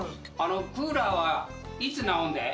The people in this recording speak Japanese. クーラーはいつ直んだい？